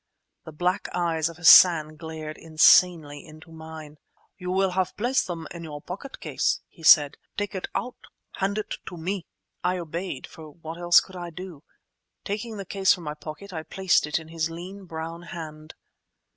The black eyes of Hassan glared insanely into mine. "You will have placed them in your pocketcase," he said. "Take it out; hand it to me!" I obeyed, for what else could I do? Taking the case from my pocket, I placed it in his lean brown hand.